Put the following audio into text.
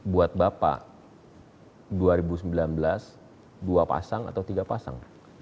buat bapak dua ribu sembilan belas dua pasang atau tiga pasang